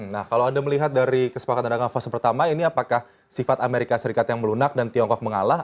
nah kalau anda melihat dari kesepakatan dengan fase pertama ini apakah sifat amerika serikat yang melunak dan tiongkok mengalah